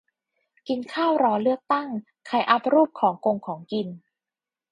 กินข้าวรอเลือกตั้ง ใครอัปรูปของกงของกิน